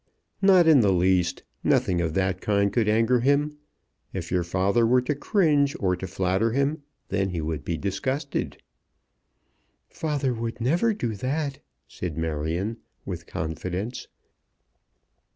"Not in the least. Nothing of that kind could anger him. If your father were to cringe or to flatter him then he would be disgusted." "Father would never do that," said Marion, with confidence.